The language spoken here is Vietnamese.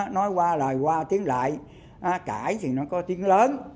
nói qua là qua tiếng lại cãi thì nó có tiếng lớn